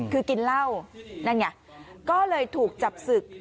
คือกินเหล้านั่นไงก็เลยถูกจับศึก